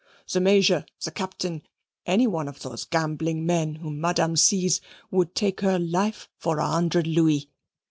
The Major, the Captain, any one of those gambling men whom Madame sees would take her life for a hundred louis.